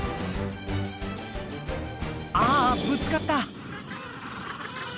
あっぶつかった！